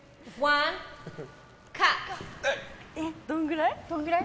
どんぐらい？